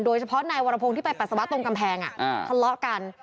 โดยเฉพาะนายวรพงศ์ที่ไปปัสสาวะตรงกำแพงทะเลาะกัน